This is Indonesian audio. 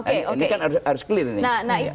ini kan harus clear